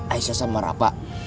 aisyah sama rafa